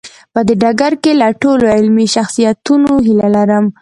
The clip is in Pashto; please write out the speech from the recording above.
په دې ډګر کې له ټولو علمي شخصیتونو هیله لرم.